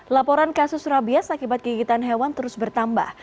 laporan kasus rabies akibat gigitan hewan terus bertambah